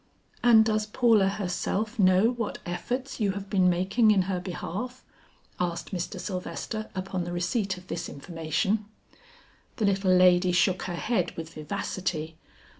"And does Paula herself know what efforts you have been making in her behalf," asked Mr. Sylvester upon the receipt of this information. The little lady shook her head with vivacity.